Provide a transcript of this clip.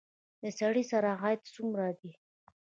د سړي سر عاید څومره دی؟